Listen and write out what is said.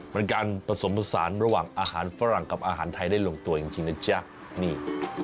เป็นการผสมผสานระหว่างอาหารฝรั่งกับอาหารไทยได้ลงตัวจริงนะจ๊ะนี่